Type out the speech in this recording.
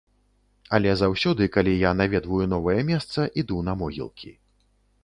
Але заўсёды, калі я наведваю новае месца, іду на могілкі.